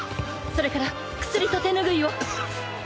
それから薬と手拭いを。早く！